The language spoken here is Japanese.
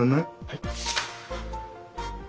はい。